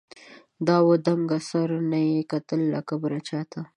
دا وه دنګه سروه، نې کتل له کبره چاته